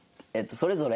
それぞれ。